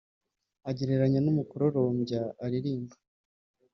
agereranya n’umukororombya aririmba